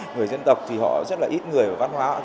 người dân tộc thì họ rất là ít người và văn hóa